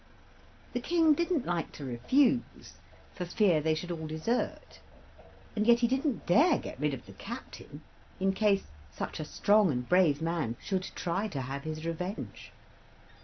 The King didn't like to refuse, for fear they should all desert, and yet he didn't dare get rid of the captain, in case such a strong and brave man should try to have his revenge.